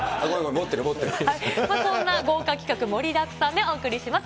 そんな豪華企画盛りだくさんでお送りします。